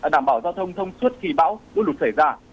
đảm bảo giao thông thông suốt khi bão lũ lụt xảy ra